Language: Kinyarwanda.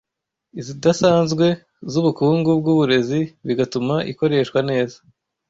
izidasanzwe zubukungu bwuburezi bigatuma ikoreshwa neza